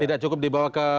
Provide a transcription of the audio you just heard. tidak cukup dibawa ke